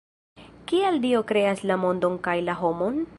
Kial Dio kreas la mondon kaj la homon?